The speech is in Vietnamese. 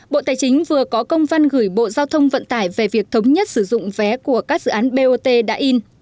bộ tài chính vừa có công văn gửi bộ giao thông vận tải về việc thống nhất sử dụng vé của các dự án bot đã in